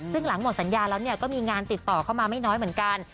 ซึ่งหลังหมดสัญญาแล้วก็มีงานติดต่อเข้ามาไม่น้อยเหมือนกัน